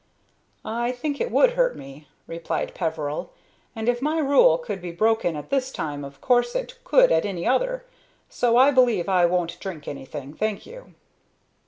"I think it would hurt me," replied Peveril, "and if my rule could be broken at this time, of course it could at any other. So I believe I won't drink anything, thank you."